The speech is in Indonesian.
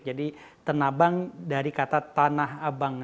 jadi tenabang dari kata tanah abang